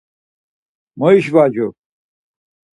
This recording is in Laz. Moişvacu…